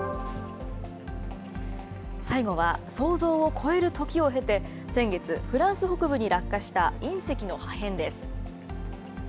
最後は、想像を超える時を経て、先月、フランス北部に落下した隕石の破片です。